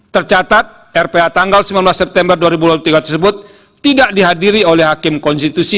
tercatat rph tanggal sembilan belas september dua ribu dua puluh tiga tersebut tidak dihadiri oleh hakim konstitusi